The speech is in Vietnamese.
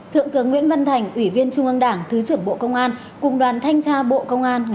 thượng tướng nguyễn văn thành ủy viên trung ương đảng thứ trưởng bộ công an